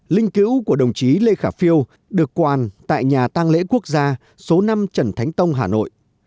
linh cứu của đồng chí lê khả phiêu được quàn tại nhà tăng lễ quốc gia số năm trần thánh tông hà nội